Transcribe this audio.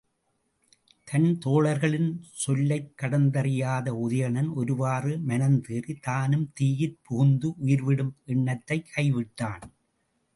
தன் தோழர்களின் சொல்லைக் கடந்தறியாத உதயணன் ஒருவாறு மனந்தேறித் தானும் தீயிற் புகுந்து உயிர்விடும் எண்ணத்தைக் கை விட்டான்.